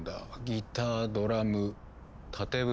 ギタードラム縦笛。